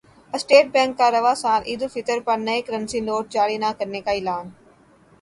state Bank کا رواں سال عیدالفطر پر نئے کرنسی نوٹ جاری نہ کرنے کا اعلان